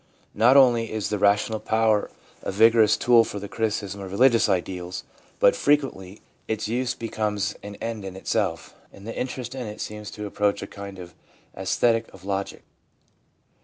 Not only is the rational power a vigorous tool for the criticism of religious ideals, but frequently its use becomes an end in itself, and the interest in it seems to approach a kind of aesthetic of logic.